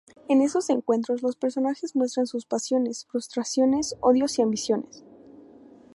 En esos encuentros, los personajes muestran sus pasiones, frustraciones, odios y ambiciones.